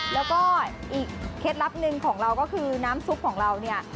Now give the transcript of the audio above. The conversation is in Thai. แล้วก็อีกเคล็ดลับหนึ่งของเราก็คือน้ำซุปของเราเนี่ย